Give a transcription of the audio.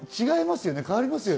違いますね。